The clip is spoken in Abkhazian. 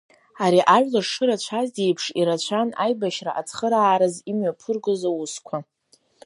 Ари ажәлар шырацәаз еиԥш ирацәан аибашьра ацхыраараз имҩаԥыргоз аусқәа.